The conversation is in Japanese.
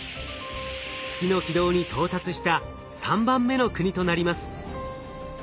月の軌道に到達した３番目の国となります。